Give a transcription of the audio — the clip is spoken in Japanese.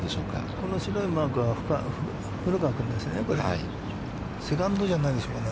この白いマークは、古川君ですね。